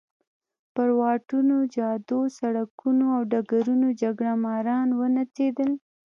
پر واټونو، جادو، سړکونو او ډګرونو جګړه ماران ونڅېدل.